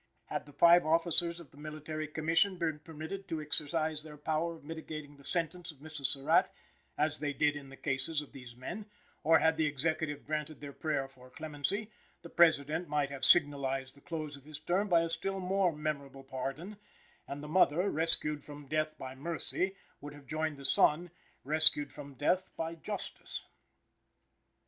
Had the five officers of the Military Commission been permitted to exercise their power of mitigating the sentence of Mrs. Surratt, as they did in the cases of these men, or had the Executive granted their prayer for clemency; the President might have signalized the close of his term by a still more memorable pardon, and the mother, rescued from death by mercy, would have joined the son, rescued from death by justice.